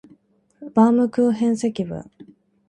バームクーヘン積分